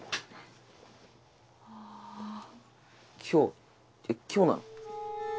今日今日なの？